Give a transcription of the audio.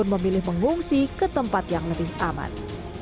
memilih mengungsi ke tempat yang lebih aman